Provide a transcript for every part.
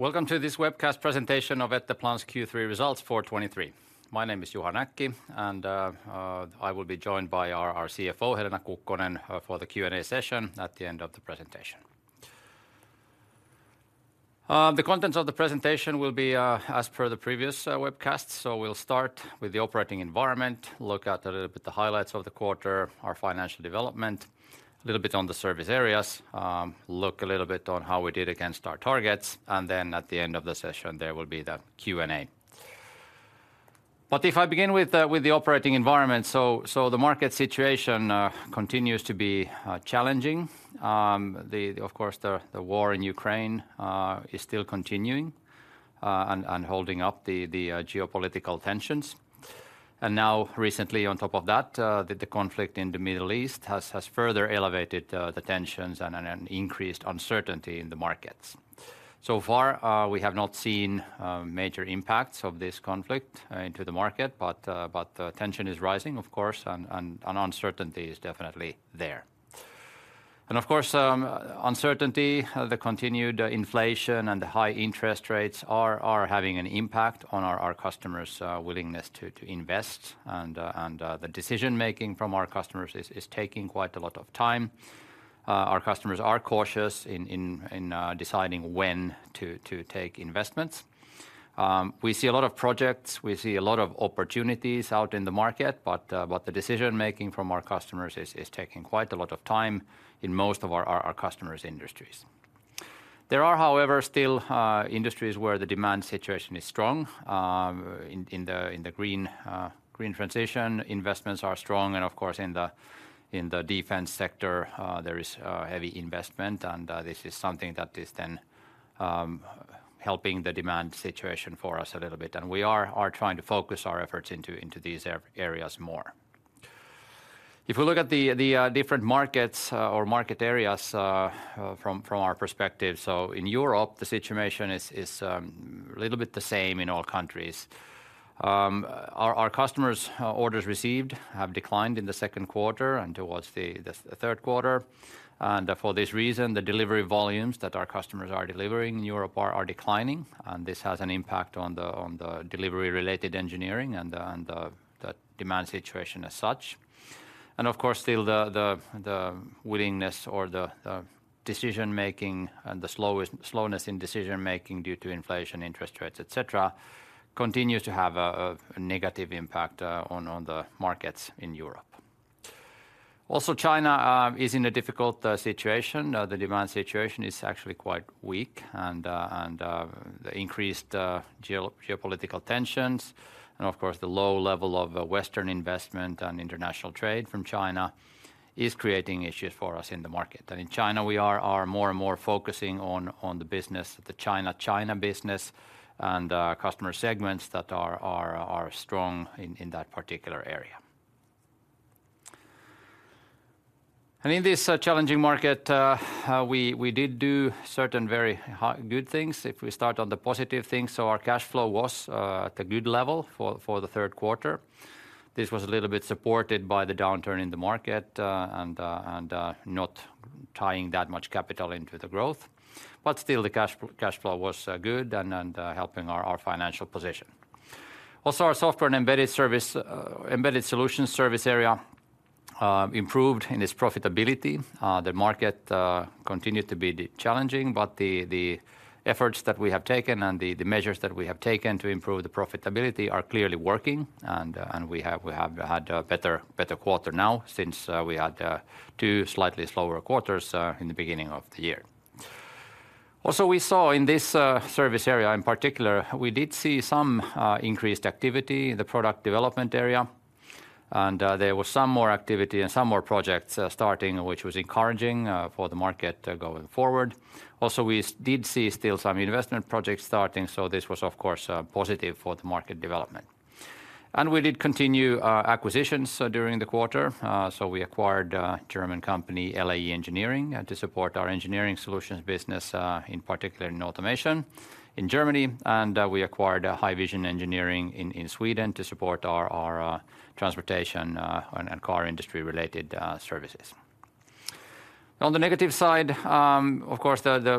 Welcome to this webcast presentation of Etteplan Oyj's Q3 results for 2023. My name is Juha Näkki, and I will be joined by our CFO, Helena Kukkonen, for the Q&A session at the end of the presentation. The contents of the presentation will be as per the previous webcasts. So we'll start with the operating environment, look at a little bit the highlights of the quarter, our financial development, a little bit on the service areas, look a little bit on how we did against our targets, and then at the end of the session, there will be the Q&A. But if I begin with the operating environment, so the market situation continues to be challenging. Of course, the war in Ukraine is still continuing and holding up the geopolitical tensions. And now, recently, on top of that, the conflict in the Middle East has further elevated the tensions and increased uncertainty in the markets. So far, we have not seen major impacts of this conflict into the market, but the tension is rising, of course, and uncertainty is definitely there. And of course, uncertainty, the continued inflation and the high interest rates are having an impact on our customers' willingness to invest. The decision-making from our customers is taking quite a lot of time. Our customers are cautious in deciding when to take investments. We see a lot of projects, we see a lot of opportunities out in the market, but the decision-making from our customers is taking quite a lot of time in most of our customers' industries. There are, however, still industries where the demand situation is strong. In the green transition, investments are strong, and of course, in the defense sector, there is heavy investment, and this is something that is then helping the demand situation for us a little bit. We are trying to focus our efforts into these areas more. If we look at the different markets or market areas from our perspective: so in Europe, the situation is a little bit the same in all countries. Our customers' orders received have declined in the second quarter and towards the third quarter. For this reason, the delivery volumes that our customers are delivering in Europe are declining, and this has an impact on the delivery-related engineering and the demand situation as such. Of course, still the willingness or the decision making and the slowness in decision making due to inflation, interest rates, et cetera, continues to have a negative impact on the markets in Europe. Also, China is in a difficult situation. The demand situation is actually quite weak, and the increased geopolitical tensions, and of course, the low level of Western investment and international trade from China is creating issues for us in the market. And in China, we are more and more focusing on the business, the China-China business, and customer segments that are strong in that particular area. And in this challenging market, we did do certain very good things. If we start on the positive things, so our cash flow was at a good level for the third quarter. This was a little bit supported by the downturn in the market and not tying that much capital into the growth. But still, the cash flow was good and helping our financial position. Also, our Software and Embedded Solutions service area improved in its profitability. The market continued to be challenging, but the efforts that we have taken and the measures that we have taken to improve the profitability are clearly working. We have had a better quarter now since we had two slightly slower quarters in the beginning of the year. Also, we saw in this service area in particular, we did see some increased activity in the product development area, and there was some more activity and some more projects starting, which was encouraging for the market going forward. Also, we did see still some investment projects starting, so this was, of course, positive for the market development. We did continue our acquisitions during the quarter. So we acquired a German company, LAE Engineering, to support our engineering solutions business, in particular in automation in Germany. And we acquired a High Vision Engineering in Sweden to support our transportation and car industry-related services. On the negative side, of course, the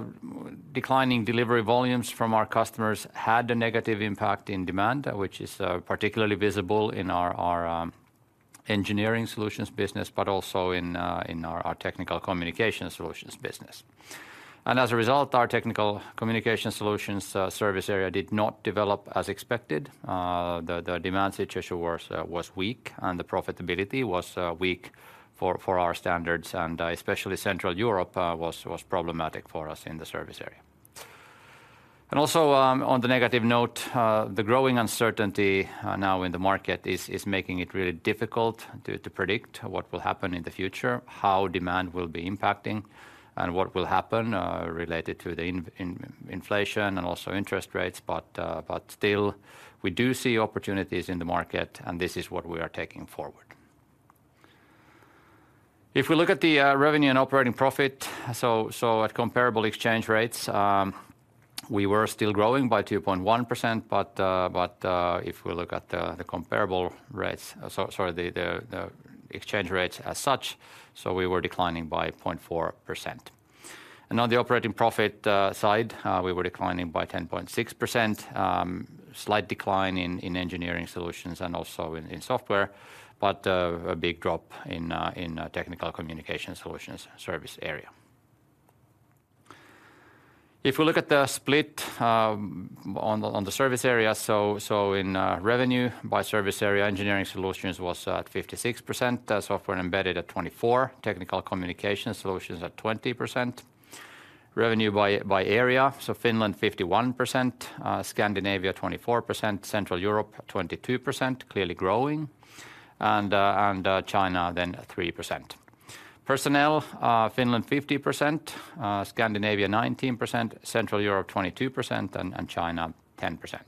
declining delivery volumes from our customers had a negative impact on demand, which is particularly visible in our engineering solutions business, but also in our technical communication solutions business. As a result, our technical communication solutions service area did not develop as expected. The demand situation was weak, and the profitability was weak for our standards, and especially Central Europe was problematic for us in the service area. And also, on the negative note, the growing uncertainty now in the market is making it really difficult to predict what will happen in the future, how demand will be impacting, and what will happen related to the inflation and also interest rates. But still, we do see opportunities in the market, and this is what we are taking forward. If we look at the revenue and operating profit, so at comparable exchange rates, we were still growing by 2.1%, but if we look at the comparable rates, so, sorry, the exchange rates as such, so we were declining by 0.4%. And on the operating profit side, we were declining by 10.6%. Slight decline in engineering solutions and also in software, but a big drop in technical communication solutions service area. If we look at the split on the service area, in revenue by service area, engineering solutions was at 56%, software and embedded solutions at 24%, technical communication solutions at 20%. Revenue by area, Finland 51%, Scandinavia 24%, Central Europe 22%, clearly growing, and China 3%. Personnel, Finland 50%, Scandinavia 19%, Central Europe 22%, and China 10%.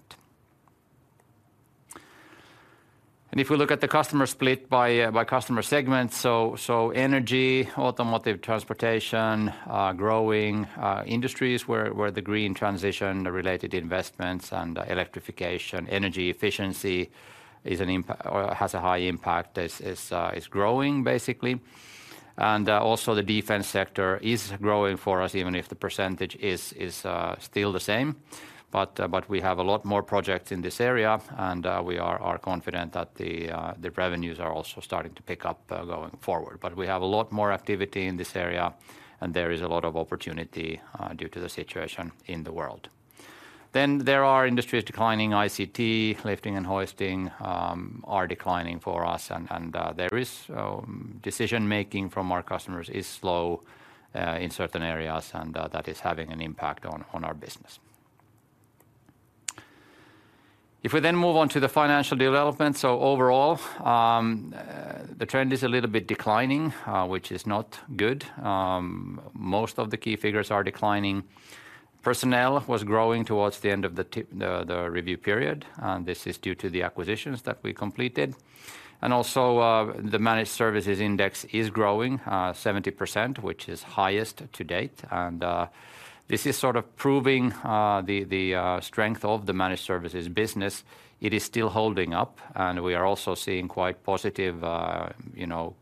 If we look at the customer split by customer segment, so energy, automotive, transportation, growing industries where the green transition-related investments and electrification, energy efficiency is an impact or has a high impact, is growing, basically. Also, the defense sector is growing for us, even if the percentage is still the same. But we have a lot more projects in this area, and we are confident that the revenues are also starting to pick up going forward. But we have a lot more activity in this area, and there is a lot of opportunity due to the situation in the world. Then there are industries declining. ICT, lifting and hoisting are declining for us, and there is. Decision-making from our customers is slow in certain areas, and that is having an impact on our business. If we then move on to the financial development, so overall, the trend is a little bit declining, which is not good. Most of the key figures are declining. Personnel was growing towards the end of the review period, and this is due to the acquisitions that we completed. Also, the Managed Services Index is growing 70%, which is highest to date, and this is sort of proving the strength of the managed services business. It is still holding up, and we are also seeing quite positive, you know,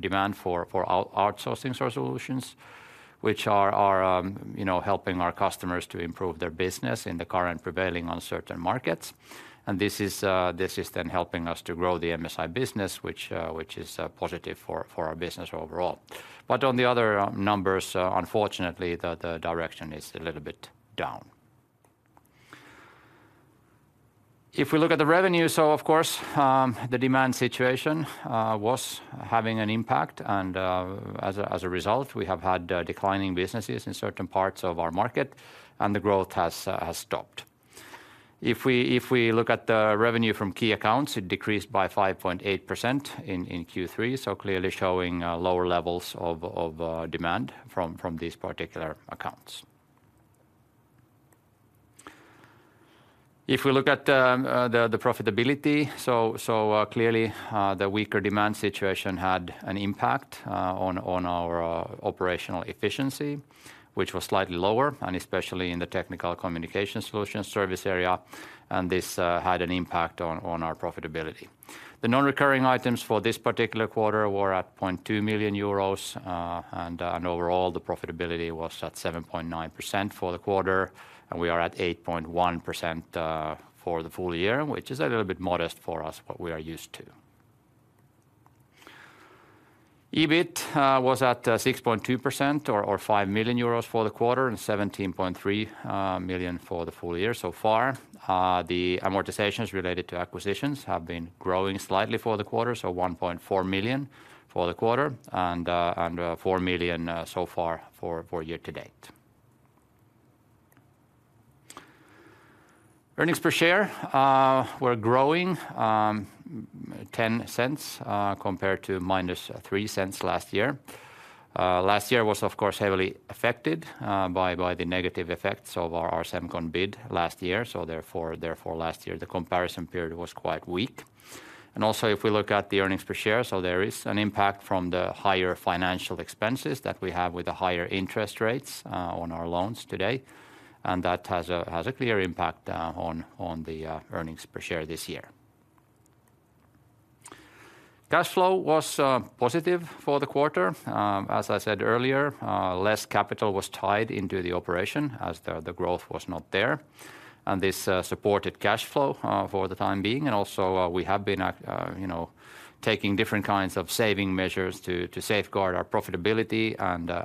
demand for outsourcing solutions, which are, you know, helping our customers to improve their business in the current prevailing uncertain markets. And this is then helping us to grow the MSI business, which is positive for our business overall. But on the other numbers, unfortunately, the direction is a little bit down. If we look at the revenue, so of course, the demand situation was having an impact, and as a result, we have had declining businesses in certain parts of our market, and the growth has stopped. If we look at the revenue from key accounts, it decreased by 5.8% in Q3, so clearly showing lower levels of demand from these particular accounts. If we look at the profitability, so clearly the weaker demand situation had an impact on our operational efficiency, which was slightly lower, and especially in the technical communication solutions service area, and this had an impact on our profitability. The non-recurring items for this particular quarter were at 0.2 million euros, and overall, the profitability was at 7.9% for the quarter, and we are at 8.1% for the full year, which is a little bit modest for us, what we are used to. EBIT was at 6.2% or 5 million euros for the quarter, and 17.3 million for the full year so far. The amortizations related to acquisitions have been growing slightly for the quarter, so 1.4 million for the quarter, and 4 million so far for year to date. Earnings per share were growing 0.10 compared to -0.03 last year. Last year was, of course, heavily affected by the negative effects of our Semcon bid last year, so therefore last year, the comparison period was quite weak. And also, if we look at the earnings per share, so there is an impact from the higher financial expenses that we have with the higher interest rates on our loans to date, and that has a clear impact on the earnings per share this year. Cash flow was positive for the quarter. As I said earlier, less capital was tied into the operation as the growth was not there, and this supported cash flow for the time being. And also, we have been at you know taking different kinds of saving measures to safeguard our profitability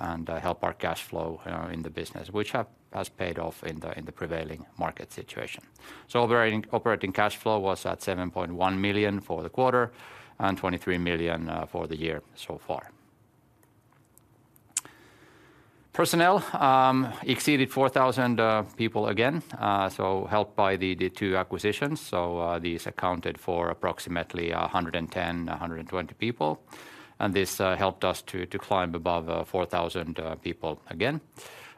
and help our cash flow in the business, which has paid off in the prevailing market situation. So operating cash flow was at 7.1 million for the quarter and 23 million for the year so far. Personnel exceeded 4,000 people again, so helped by the two acquisitions. So these accounted for approximately 110-120 people, and this helped us to climb above 4,000 people again.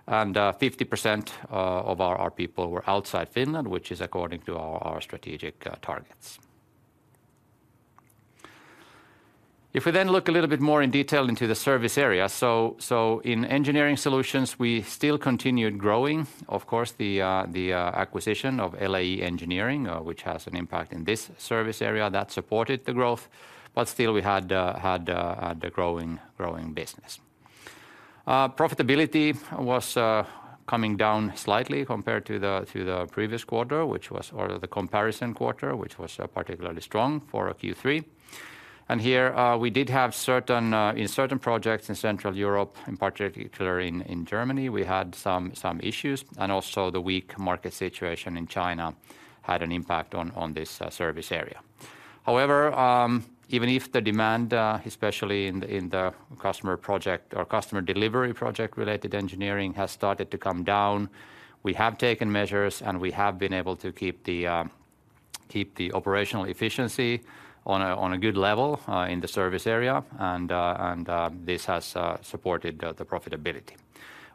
And 50% of our people were outside Finland, which is according to our strategic targets. If we then look a little bit more in detail into the service area, so in engineering solutions, we still continued growing. Of course, the acquisition of Lae Engineering, which has an impact in this service area, that supported the growth, but still, we had a growing business. Profitability was coming down slightly compared to the previous quarter, which was or the comparison quarter, which was particularly strong for a Q3. And here, we did have certain in certain projects in Central Europe, in particular in Germany, we had some issues, and also the weak market situation in China had an impact on this service area. However, even if the demand, especially in the customer project or customer delivery project-related engineering, has started to come down, we have taken measures, and we have been able to keep the operational efficiency on a good level in the service area, and this has supported the profitability.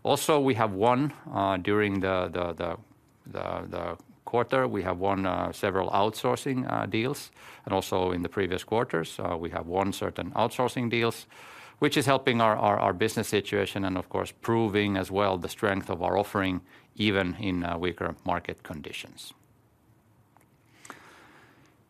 Also, we have won during the quarter we have won several outsourcing deals, and also in the previous quarters we have won certain outsourcing deals, which is helping our business situation and of course proving as well the strength of our offering even in weaker market conditions.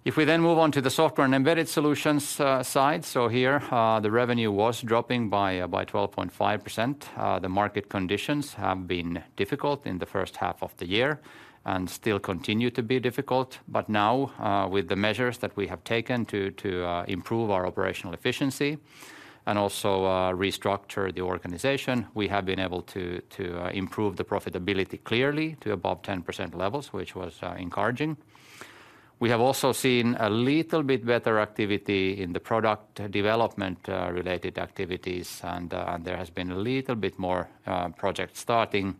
If we then move on to the software and embedded solutions side, so here the revenue was dropping by 12.5%. The market conditions have been difficult in the first half of the year and still continue to be difficult. But now with the measures that we have taken to improve our operational efficiency and also restructure the organization, we have been able to improve the profitability clearly to above 10% levels, which was encouraging. We have also seen a little bit better activity in the product development, related activities, and there has been a little bit more project starting,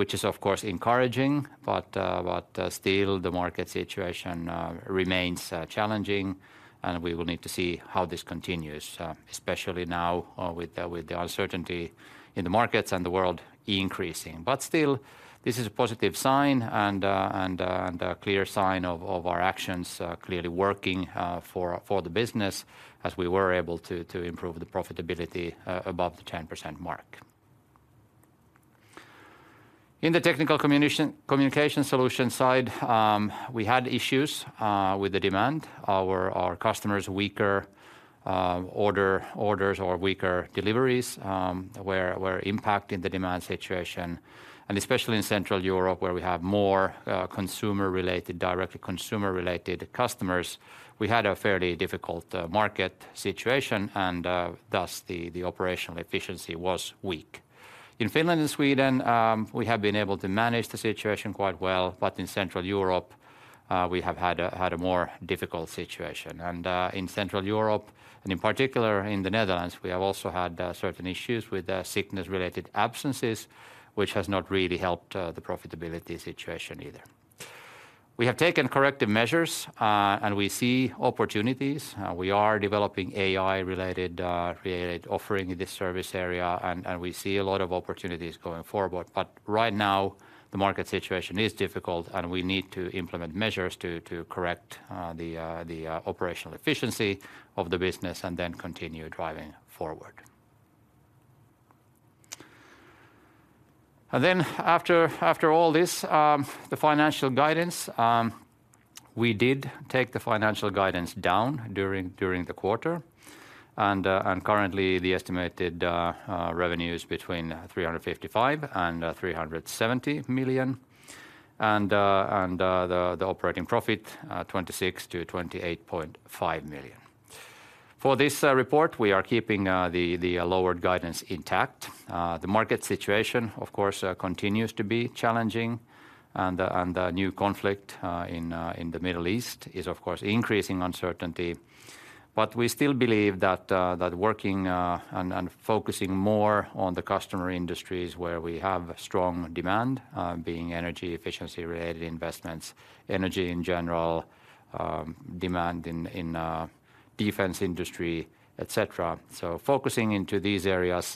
which is of course encouraging. But still, the market situation remains challenging, and we will need to see how this continues, especially now with the uncertainty in the markets and the world increasing. But still, this is a positive sign and a clear sign of our actions clearly working for the business, as we were able to improve the profitability above the 10% mark. In the technical communication solution side, we had issues with the demand. Our customers' weaker orders or weaker deliveries were impacting the demand situation, and especially in Central Europe, where we have more consumer-related, direct consumer-related customers, we had a fairly difficult market situation, and thus, the operational efficiency was weak. In Finland and Sweden, we have been able to manage the situation quite well, but in Central Europe, we have had a more difficult situation. And in Central Europe, and in particular in the Netherlands, we have also had certain issues with sickness-related absences, which has not really helped the profitability situation either. We have taken corrective measures, and we see opportunities. We are developing AI-related related offering in this service area, and we see a lot of opportunities going forward. But right now, the market situation is difficult, and we need to implement measures to correct the operational efficiency of the business and then continue driving forward. Then after all this, the financial guidance, we did take the financial guidance down during the quarter. And currently, the estimated revenue is between 355 million and 370 million. And the operating profit 26 million-28.5 million. For this report, we are keeping the lowered guidance intact. The market situation, of course, continues to be challenging, and the new conflict in the Middle East is of course increasing uncertainty. But we still believe that working and focusing more on the customer industries where we have strong demand, being energy efficiency-related investments, energy in general, demand in defense industry, et cetera. So focusing into these areas,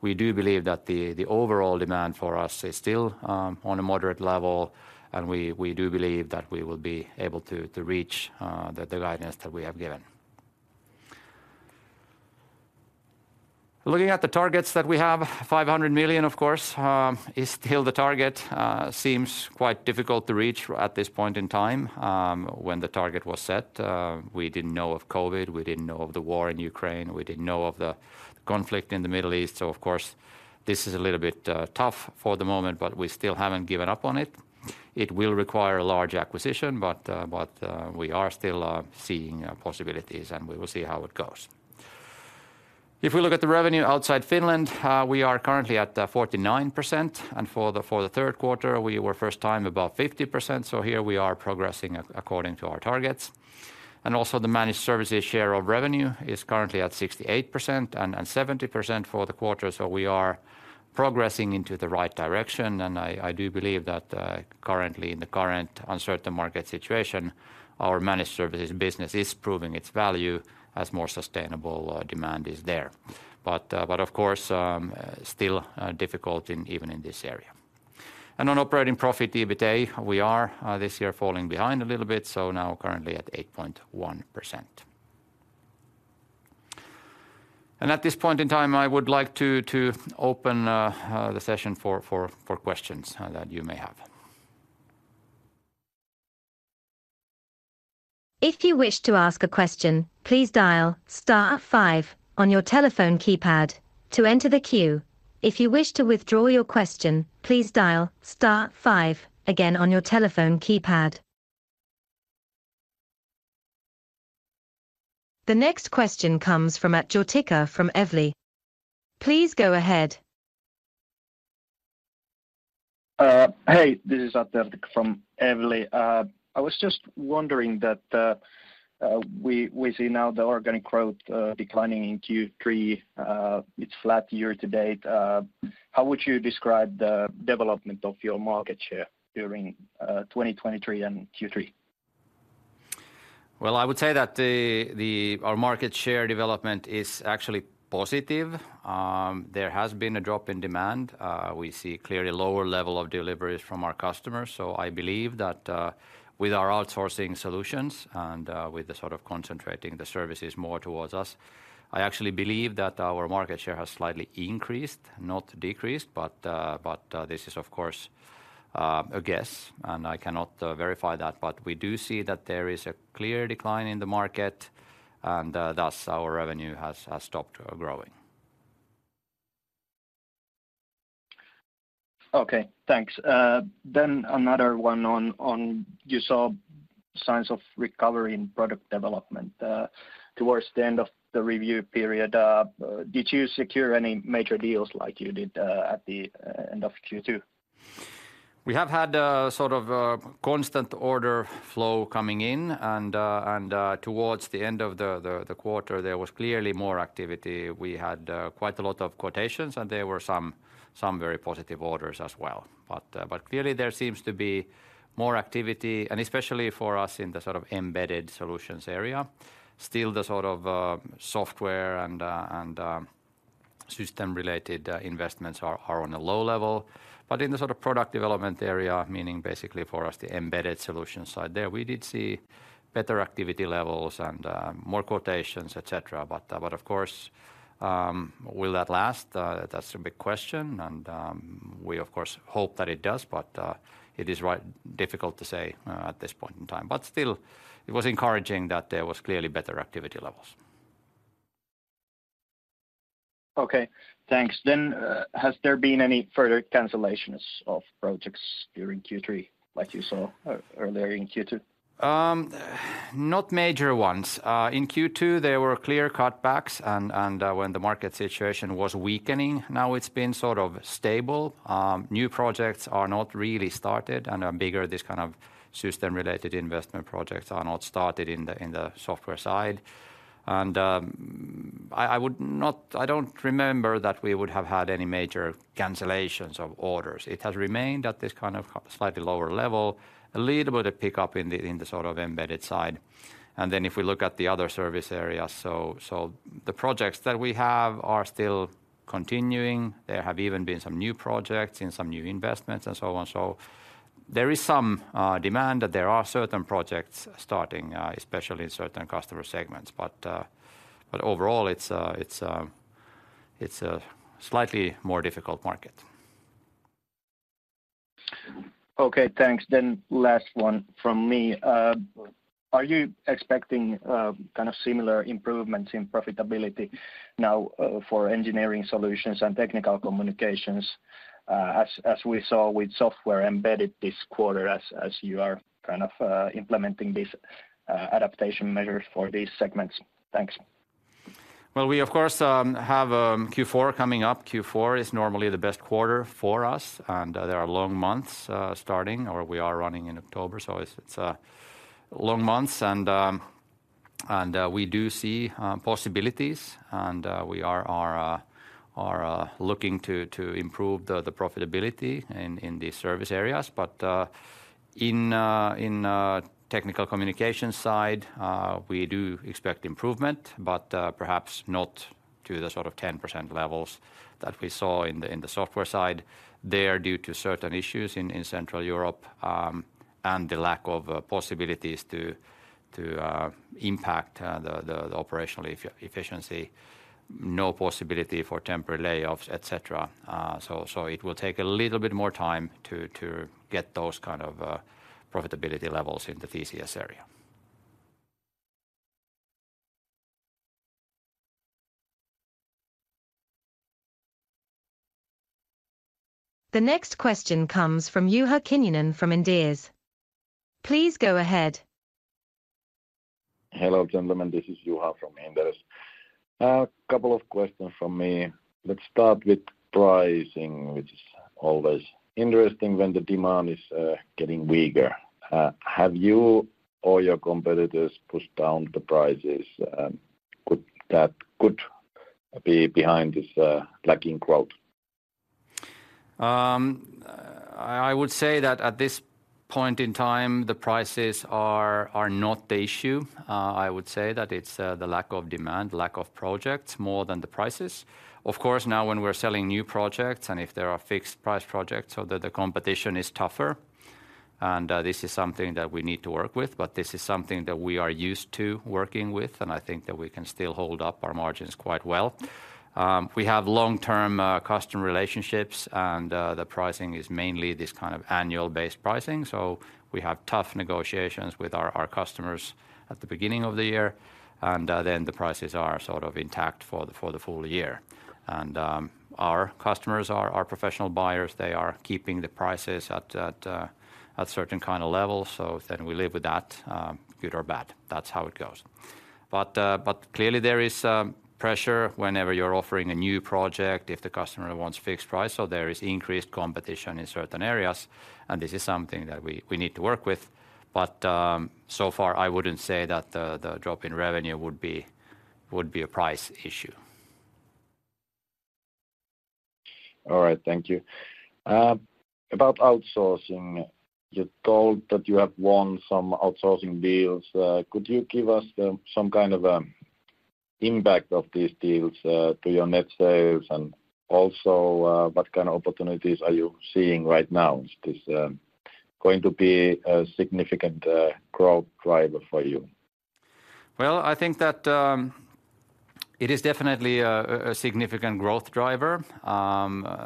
we do believe that the overall demand for us is still on a moderate level, and we do believe that we will be able to reach the guidance that we have given. Looking at the targets that we have, 500 million, of course, is still the target. Seems quite difficult to reach at this point in time. When the target was set, we didn't know of COVID, we didn't know of the war in Ukraine, we didn't know of the conflict in the Middle East. So of course, this is a little bit tough for the moment, but we still haven't given up on it. It will require a large acquisition, but we are still seeing possibilities, and we will see how it goes. If we look at the revenue outside Finland, we are currently at 49%, and for the third quarter, we were first time above 50%, so here we are progressing according to our targets. And also, the managed services share of revenue is currently at 68% and 70% for the quarter, so we are progressing into the right direction. And I do believe that currently, in the current uncertain market situation, our managed services business is proving its value as more sustainable demand is there. Of course, still difficult, even in this area. On operating profit, EBITA, we are this year falling behind a little bit, so now currently at 8.1%. At this point in time, I would like to open the session for questions that you may have. If you wish to ask a question, please dial star five on your telephone keypad to enter the queue. If you wish to withdraw your question, please dial star five again on your telephone keypad. The next question comes from Atte Pitkäjärvi from Evli. Please go ahead. Hey, this is Atte Pitkäjärvi from Evli. I was just wondering that we see now the organic growth declining in Q3. It's flat year to date. How would you describe the development of your market share during 2023 and Q3? Well, I would say that the our market share development is actually positive. There has been a drop in demand. We see clearly lower level of deliveries from our customers, so I believe that with our outsourcing solutions and with the sort of concentrating the services more towards us, I actually believe that our market share has slightly increased, not decreased. But this is, of course, a guess, and I cannot verify that. But we do see that there is a clear decline in the market, and thus, our revenue has stopped growing. Okay, thanks. Then another one on you saw signs of recovery in product development, towards the end of the review period. Did you secure any major deals like you did, at the end of Q2? We have had a sort of a constant order flow coming in, and towards the end of the quarter, there was clearly more activity. We had quite a lot of quotations, and there were some very positive orders as well. But clearly, there seems to be more activity, and especially for us in the sort of embedded solutions area. Still, the sort of software and system-related investments are on a low level. But in the sort of product development area, meaning basically for us, the embedded solution side there, we did see better activity levels and more quotations, et cetera. But of course, will that last? That's a big question, and we of course hope that it does, but it is quite difficult to say at this point in time. But still, it was encouraging that there was clearly better activity levels. Okay, thanks. Then, has there been any further cancellations of projects during Q3 like you saw earlier in Q2? Not major ones. In Q2, there were clear cutbacks and when the market situation was weakening. Now, it's been sort of stable. New projects are not really started, and are bigger this kind of system-related investment projects are not started in the software side. And I would not, I don't remember that we would have had any major cancellations of orders. It has remained at this kind of slightly lower level, a little bit of pick up in the sort of embedded side. And then, if we look at the other service areas, the projects that we have are still continuing. There have even been some new projects and some new investments, and so on. So there is some demand, that there are certain projects starting, especially in certain customer segments. But overall, it's a slightly more difficult market. Okay, thanks. Then last one from me. Are you expecting kind of similar improvements in profitability now for engineering solutions and technical communications as we saw with software embedded this quarter as you are kind of implementing these adaptation measures for these segments? Thanks. Well, we, of course, have Q4 coming up. Q4 is normally the best quarter for us, and there are long months starting, or we are running in October, so it's long months and we do see possibilities and we are looking to improve the profitability in these service areas. But in technical communication side, we do expect improvement, but perhaps not to the sort of 10% levels that we saw in the software side there due to certain issues in Central Europe. And the lack of possibilities to impact the operational efficiency. No possibility for temporary layoffs, et cetera. So, it will take a little bit more time to get those kind of profitability levels in the TCS area. The next question comes from Juha Kinnunen from Inderes. Please go ahead. Hello, gentlemen, this is Juha from Inderes. A couple of questions from me. Let's start with pricing, which is always interesting when the demand is getting weaker. Have you or your competitors pushed down the prices, and that could be behind this lacking growth? I would say that at this point in time, the prices are not the issue. I would say that it's the lack of demand, lack of projects, more than the prices. Of course, now when we're selling new projects and if there are fixed-price projects so that the competition is tougher and this is something that we need to work with, but this is something that we are used to working with, and I think that we can still hold up our margins quite well. We have long-term customer relationships, and the pricing is mainly this kind of annual-based pricing. So we have tough negotiations with our customers at the beginning of the year, and then the prices are sort of intact for the full year. Our customers are our professional buyers. They are keeping the prices at certain kind of levels, so then we live with that, good or bad. That's how it goes. But clearly there is pressure whenever you're offering a new project, if the customer wants fixed price, so there is increased competition in certain areas, and this is something that we need to work with. But so far, I wouldn't say that the drop in revenue would be a price issue. All right. Thank you. About outsourcing, you told that you have won some outsourcing deals. Could you give us some kind of impact of these deals to your net sales? And also, what kind of opportunities are you seeing right now? Is this going to be a significant growth driver for you? Well, I think that, it is definitely a significant growth driver.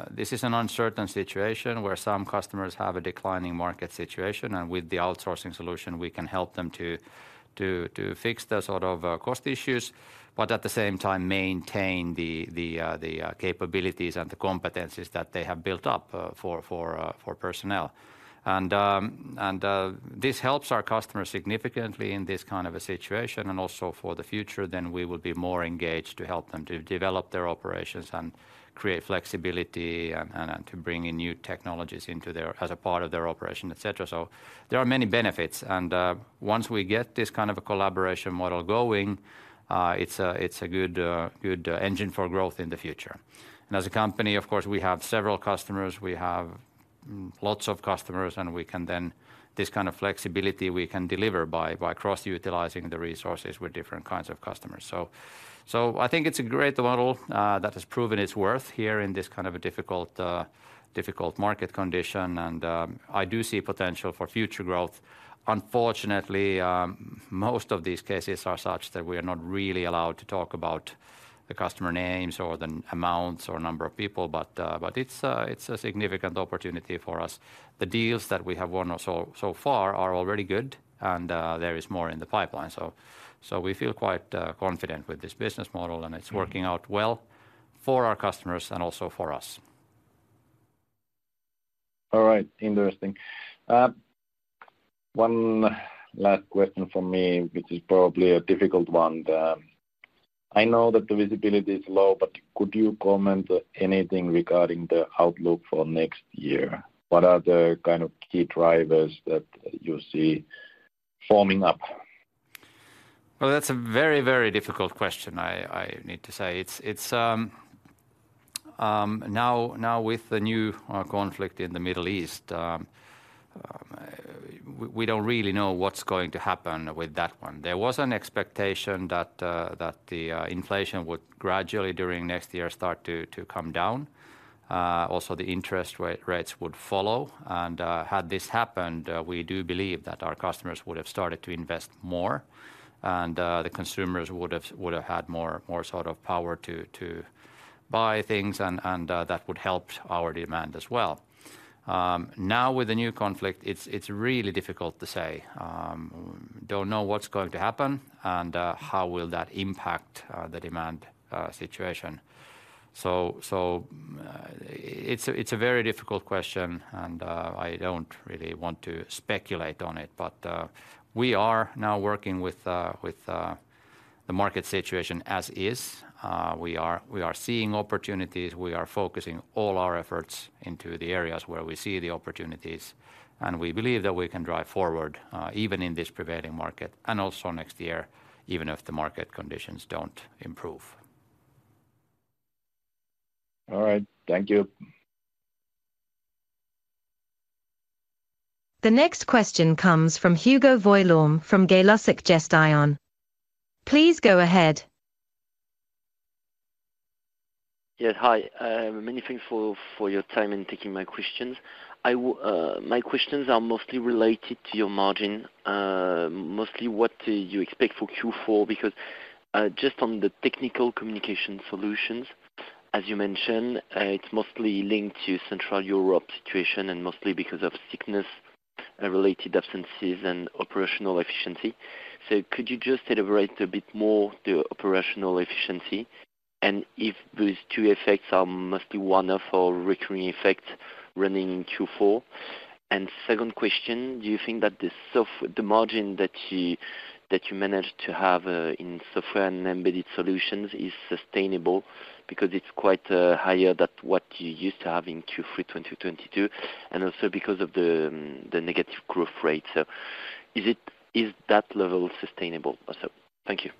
This is an uncertain situation where some customers have a declining market situation, and with the outsourcing solution, we can help them to fix the sort of cost issues, but at the same time, maintain the capabilities and the competencies that they have built up for personnel. And this helps our customers significantly in this kind of a situation, and also for the future, then we will be more engaged to help them to develop their operations and create flexibility and to bring in new technologies into their, as a part of their operation, et cetera. So there are many benefits, and once we get this kind of a collaboration model going, it's a, it's a good, good engine for growth in the future. And as a company, of course, we have several customers. We have lots of customers, and we can then. This kind of flexibility we can deliver by cross-utilizing the resources with different kinds of customers. So I think it's a great model that has proven its worth here in this kind of a difficult, difficult market condition, and I do see potential for future growth. Unfortunately, most of these cases are such that we are not really allowed to talk about the customer names or the amounts or number of people, but it's a significant opportunity for us. The deals that we have won so far are already good, and there is more in the pipeline. So we feel quite confident with this business model, and it's working out well for our customers and also for us. All right. Interesting. One last question from me, which is probably a difficult one. I know that the visibility is low, but could you comment anything regarding the outlook for next year? What are the kind of key drivers that you see forming up? Well, that's a very, very difficult question, I need to say. It's now, with the new conflict in the Middle East, we don't really know what's going to happen with that one. There was an expectation that the inflation would gradually, during next year, start to come down. Also, the interest rates would follow, and had this happened, we do believe that our customers would have started to invest more, and the consumers would have had more sort of power to buy things, and that would help our demand as well. Now, with the new conflict, it's really difficult to say. Don't know what's going to happen and how will that impact the demand situation. So, it's a very difficult question, and I don't really want to speculate on it. But we are now working with the market situation as is. We are seeing opportunities. We are focusing all our efforts into the areas where we see the opportunities, and we believe that we can drive forward even in this prevailing market and also next year, even if the market conditions don't improve. All right. Thank you. The next question comes from Hugo Voillaume from Gay-Lussac Gestion. Please go ahead. Yeah, hi. Many thanks for your time and taking my questions. My questions are mostly related to your margin, mostly what do you expect for Q4, because just on the technical communication solutions, as you mentioned, it's mostly linked to Central Europe situation and mostly because of sickness and related absences and operational efficiency. So could you just elaborate a bit more on the operational efficiency, and if these two effects are mostly one-off or recurring effect running in Q4? And second question, do you think that the margin that you managed to have in software and embedded solutions is sustainable? Because it's quite higher than what you used to have in Q3 2022, and also because of the negative growth rate. So is that level sustainable also? Thank you.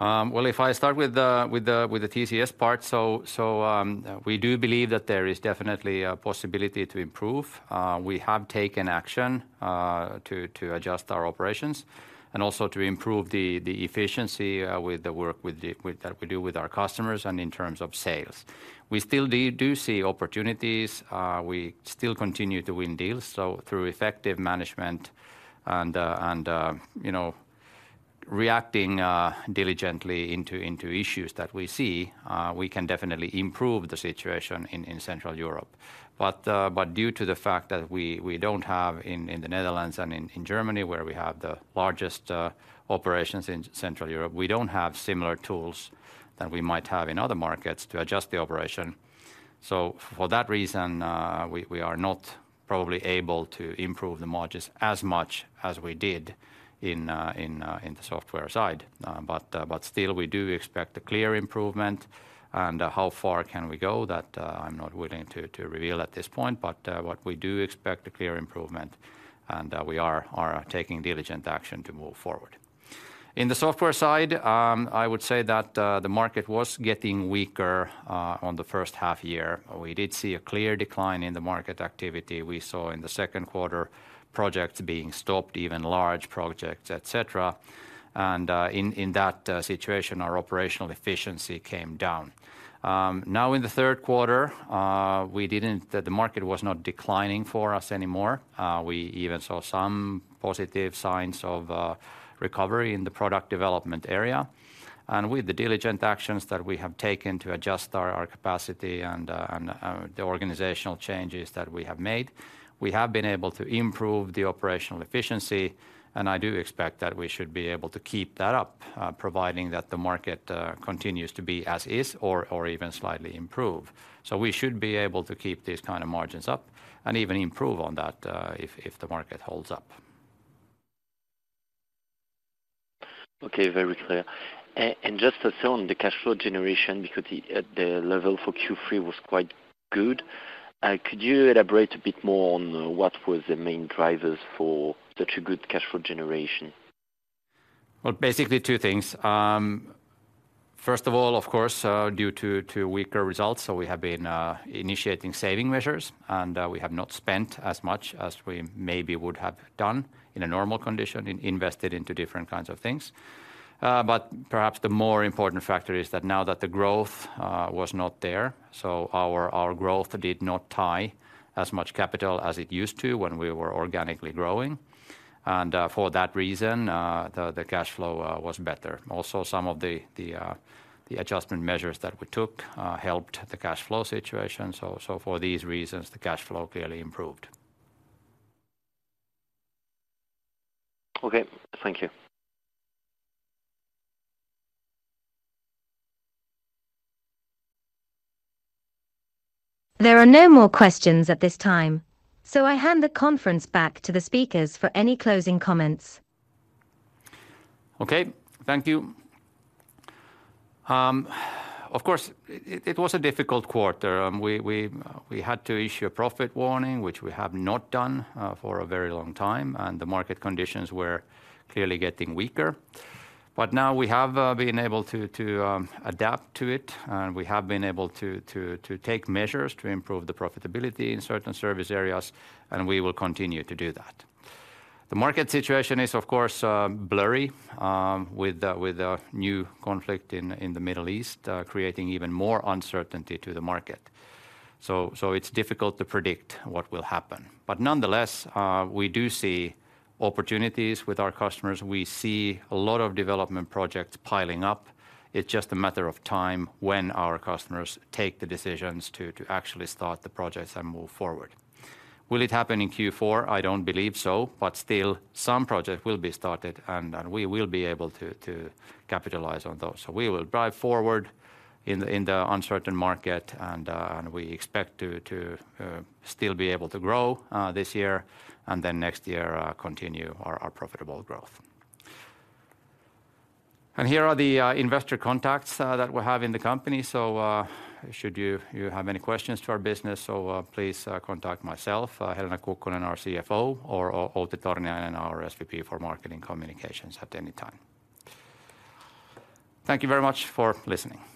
Well, if I start with the TCS part, we do believe that there is definitely a possibility to improve. We have taken action to adjust our operations and also to improve the efficiency with the work that we do with our customers and in terms of sales. We still see opportunities. We still continue to win deals, so through effective management and, you know, reacting diligently into issues that we see, we can definitely improve the situation in Central Europe. But due to the fact that we don't have in the Netherlands and in Germany, where we have the largest operations in Central Europe, we don't have similar tools that we might have in other markets to adjust the operation. So for that reason, we are not probably able to improve the margins as much as we did in the software side. But still we do expect a clear improvement. And how far can we go? That, I'm not willing to reveal at this point, but what we do expect a clear improvement, and we are taking diligent action to move forward. In the software side, I would say that the market was getting weaker on the first half year. We did see a clear decline in the market activity. We saw in the second quarter, projects being stopped, even large projects, et cetera. And, in that situation, our operational efficiency came down. Now, in the third quarter, we didn't, the market was not declining for us anymore. We even saw some positive signs of recovery in the product development area. And with the diligent actions that we have taken to adjust our capacity and the organizational changes that we have made, we have been able to improve the operational efficiency, and I do expect that we should be able to keep that up, providing that the market continues to be as is or even slightly improve. So we should be able to keep these kind of margins up and even improve on that, if the market holds up. Okay, very clear. And just to tell on the cash flow generation, because the level for Q3 was quite good. Could you elaborate a bit more on what were the main drivers for such a good cash flow generation? Well, basically two things. First of all, of course, due to to weaker results, so we have been initiating saving measures, and we have not spent as much as we maybe would have done in a normal condition, in invested into different kinds of things. But perhaps the more important factor is that now that the growth was not there, so our growth did not tie as much capital as it used to when we were organically growing. And for that reason, the cash flow was better. Also, some of the adjustment measures that we took helped the cash flow situation. So for these reasons, the cash flow clearly improved. Okay, thank you. There are no more questions at this time, so I hand the conference back to the speakers for any closing comments. Okay, thank you. Of course, it was a difficult quarter. We had to issue a profit warning, which we have not done for a very long time, and the market conditions were clearly getting weaker. But now we have been able to adapt to it, and we have been able to take measures to improve the profitability in certain service areas, and we will continue to do that. The market situation is, of course, blurry with the new conflict in the Middle East creating even more uncertainty to the market. So it's difficult to predict what will happen. But nonetheless, we do see opportunities with our customers. We see a lot of development projects piling up. It's just a matter of time when our customers take the decisions to actually start the projects and move forward. Will it happen in Q4? I don't believe so, but still, some projects will be started, and we will be able to capitalize on those. So we will drive forward in the uncertain market, and we expect to still be able to grow this year, and then next year continue our profitable growth. And here are the investor contacts that we have in the company. So, should you have any questions to our business, so please contact myself, Helena Kukkonen, our CFO, or Outi Torniainen, our SVP for Marketing Communications at any time. Thank you very much for listening.